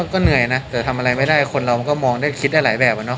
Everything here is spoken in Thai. ก็เหนื่อยนะแต่ทำอะไรไม่ได้คนเรามันก็มองได้คิดได้หลายแบบอะเนาะ